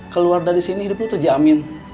keluar dari sini hidup lo terjamin